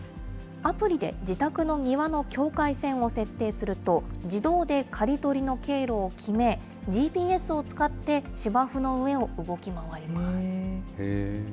アプリで自宅の庭の境界線を設定すると、自動で刈り取りの経路を決め、ＧＰＳを使って、芝生の上を動き回ります。